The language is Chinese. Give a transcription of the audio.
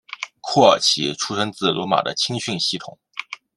库尔奇出身自罗马的青训系统。